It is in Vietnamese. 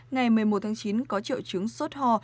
ngày một mươi một tháng chín có triệu chứng sốt ho